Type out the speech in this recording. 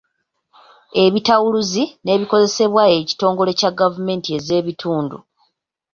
Ebitawuluzi, n’ebikozesebwa ekitongole kya gavumenti ez’ebitundu.